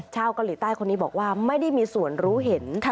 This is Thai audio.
ชาวกรีต้ายคนนี้บอกว่าไม่ได้มีสวนรู้เห็น